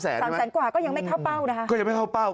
สามแสนกว่าก็ยังไม่เข้าเป้านะคะก็ยังไม่เข้าเป้า